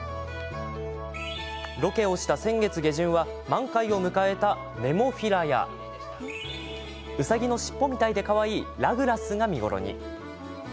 ロケをした先月下旬は満開を迎えたネモフィラやうさぎの尻尾みたいでかわいいラグラスが見頃に。